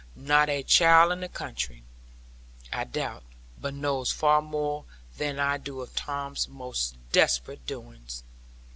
Not a child in the country, I doubt, but knows far more than I do of Tom's most desperate doings.